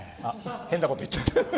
変なこと言っちゃった。